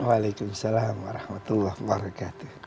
waalaikumsalam warahmatullahi wabarakatuh